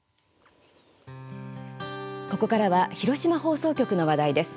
ここからは広島放送局の話題です。